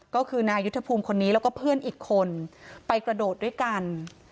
ก็คือนายุทธภูมิคนนี้แล้วก็เพื่อนอีกคนไปกระโดดด้วยกัน